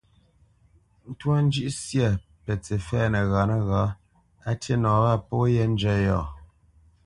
Ntwá njʉ́ʼ syâ pətsǐ fɛ̌ nəghǎ nəghǎ, á tî nɔ wâ pó yē njə́ yɔ̂,